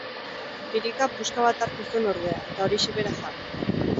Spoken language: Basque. Birika puska bat hartu zuen ordea, eta horixe bera jan.